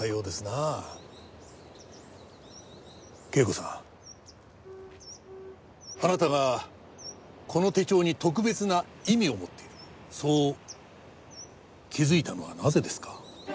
啓子さんあなたがこの手帳に特別な意味を持っているそう気づいたのはなぜですか？